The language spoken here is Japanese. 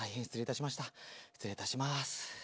失礼いたします。